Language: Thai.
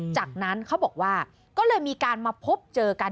จากนั้นเขาบอกว่าก็เลยมีการมาพบเจอกัน